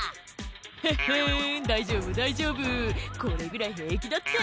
「ヘッヘン大丈夫大丈夫これぐらい平気だって」